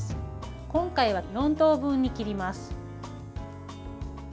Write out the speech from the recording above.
今回は４等分に切ります。